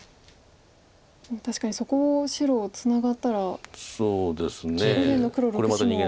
確かにそこを白ツナがったら右辺の黒６子も。